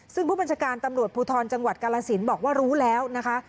ซึ่งผู้บัญชาการตำรวจภูทรจังหวัดกาลสินบอกว่ารู้แล้วนะคะ